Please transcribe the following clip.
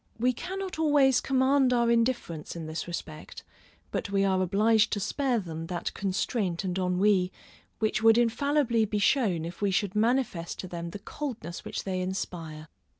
We cannot always command our indifference in this respect, but we are obliged to spare them that constraint and ennui, which would infallibly be shown if we should manifest to them the coldness which they inspire.